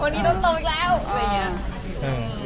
วันนี้ต้องโตอีกแล้ว